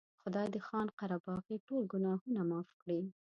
خدای دې خان قره باغي ټول ګناهونه معاف کړي.